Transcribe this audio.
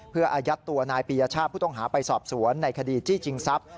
เพื่ออายัดตัวนายปียชาติผู้ต้องหาไปสอบสวนในคดีจี้ชิงทรัพย